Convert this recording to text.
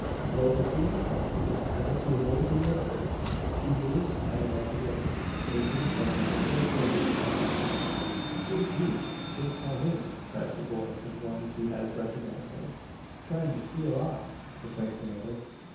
Though proceeding stealthily, as if to avoid being observed, he moves at a rapid rate making for a particular quarter of the cavallada. "'Tis he! 'Tis Calhoun!" cries the voice of one who has recognised him. "Trying to steal off!" proclaims another.